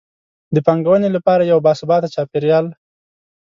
د پانګونې لپاره یو باثباته چاپیریال.